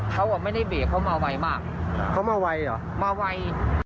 เขาอ่ะไม่ได้เบรกเขามาไวมากเขามาไวเหรอมาไว